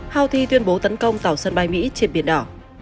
houthi tuyên bố tấn công tàu sân bay mỹ trên biển đỏ